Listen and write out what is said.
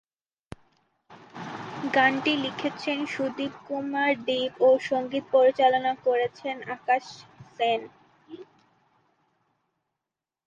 গানটি লিখেছেন সুদীপ কুমার দীপ ও সঙ্গীত পরিচালনা করেছেন আকাশ সেন।